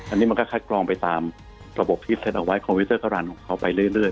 อันนี้มันก็คัดกรองไปตามระบบที่เซ็นเอาไว้คอมพิวเตอร์คารันของเขาไปเรื่อย